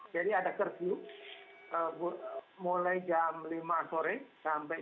jadi ada kerjur mulai jam lima sore sampai